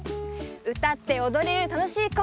うたっておどれるたのしいコンサート。